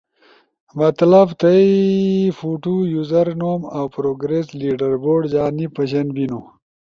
مطلب تھئی فوتو، یوزر نوم اؤ پروگریس لیڈربورڈ جا نی پشن بینو